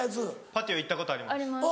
パティオ行ったことあります。